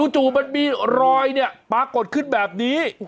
จู่มันมีรอยปรากฏขึ้นแบบนี้